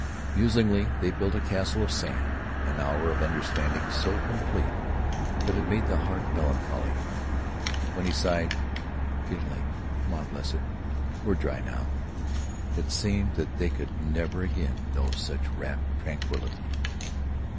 Musingly they built a castle of sand. An hour of understanding so complete that it made the heart melancholy. When he sighed, "Getting late; come on, blessed; we're dry now," it seemed that they could never again know such rapt tranquillity.